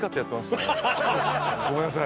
ごめんなさい。